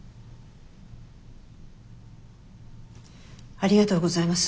ありがとうございます。